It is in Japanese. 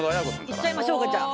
いっちゃいましょうかじゃあ。